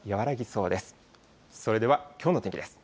それではきょうの天気です。